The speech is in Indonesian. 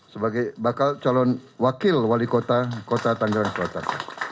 sebagai bakal calon wakil wali kota kota tanggerang selatan